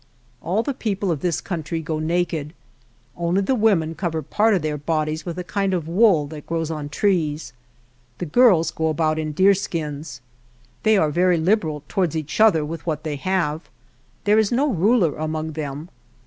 All the people of this country go naked ; only the women cover part of their bodies with a kind of wool that grows on trees. The girls go about in deer skins. They are very liberal towards each other with what they have. There is np ruler among them.